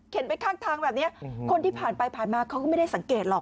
ไปข้างทางแบบนี้คนที่ผ่านไปผ่านมาเขาก็ไม่ได้สังเกตหรอก